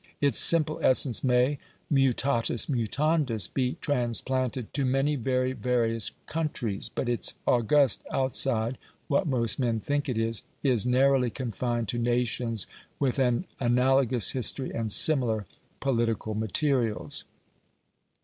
Its simple essence may, mutatis mutandis, be transplanted to many very various countries, but its august outside what most men think it is is narrowly confined to nations with an analogous history and similar political materials.